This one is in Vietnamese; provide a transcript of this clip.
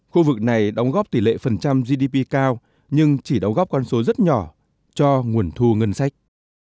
khu vực này đóng góp tỷ lệ phần trăm gdp cao nhưng chỉ đóng góp con số rất nhỏ cho nguồn thu ngân sách